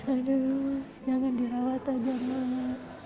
aduh jangan dirawat aja dulu